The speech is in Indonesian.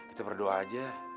itu berdoa aja